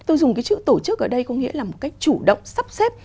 tôi dùng cái chữ tổ chức ở đây có nghĩa là một cách chủ động sắp xếp